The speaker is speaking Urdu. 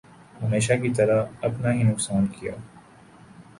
ہمیشہ کی طرح اپنا ہی نقصان کیا ۔